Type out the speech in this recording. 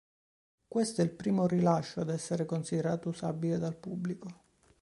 Questo è il primo rilascio ad essere considerato usabile dal pubblico.